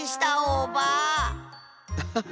アハハ。